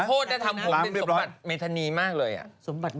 โทษนะทำผมเป็นสมบัติเมธานีมากเลย